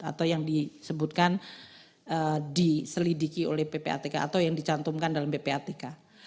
atau yang disebutkan diselidiki oleh ppatk atau yang dicantumkan dalam ppatk